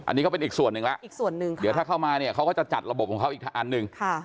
อันนี้ก็เป็นอีกส่วนนึงแล้วเดี๋ยวถ้าเข้ามาเนี่ยเขาก็จะจัดระบบของเขาอีกอันนึง